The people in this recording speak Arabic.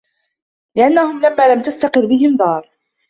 لِأَنَّهُمْ لَمَّا لَمْ تَسْتَقِرَّ بِهِمْ دَارٌ